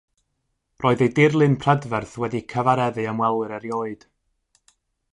Roedd ei dirlun prydferth wedi cyfareddu ymwelwyr erioed.